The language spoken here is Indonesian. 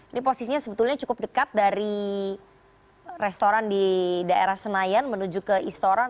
ini posisinya sebetulnya cukup dekat dari restoran di daerah senayan menuju ke istora